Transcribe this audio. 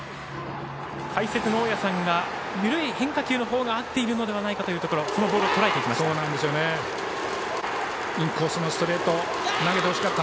解説の大矢さんが緩い変化球のほうが合っているのではないかというところそのボールをとらえました。